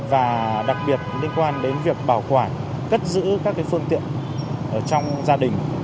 và đặc biệt liên quan đến việc bảo quản cất giữ các phương tiện trong gia đình